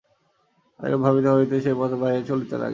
এইরূপ ভাবিতে ভাবিতে সেই পথ বাহিয়া চলিতে লাগিলেন।